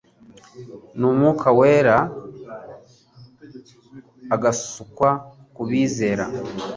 n'Umwuka wera agasukwa ku bizera,